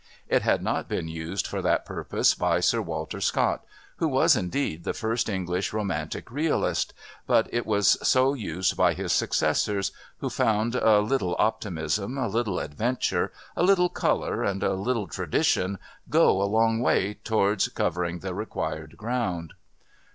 It had not been used for that purpose by Sir Walter Scott, who was, indeed, the first English Romantic Realist, but it was so used by his successors, who found a little optimism, a little adventure, a little colour and a little tradition go a long way towards covering the required ground.